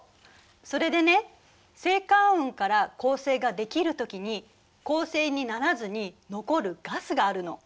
それでね星間雲から恒星ができるときに恒星にならずに残るガスがあるの。